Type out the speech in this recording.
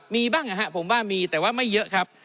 มีบ้างนะครับผมว่ามีแต่ว่าไม่เยอะครับ